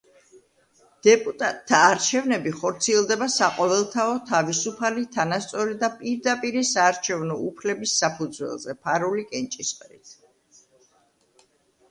დეპუტატთა არჩევნები ხორციელდება საყოველთაო, თავისუფალი, თანასწორი და პირდაპირი საარჩევნო უფლების საფუძველზე, ფარული კენჭისყრით.